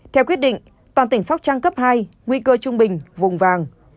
theo quyết định toàn tỉnh sóc trăng cấp hai nguy cơ trung bình vùng vàng